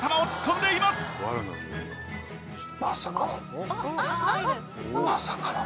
まさかの？